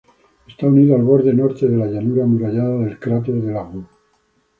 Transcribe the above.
Está unido al borde norte de la llanura amurallada del cráter De La Rue.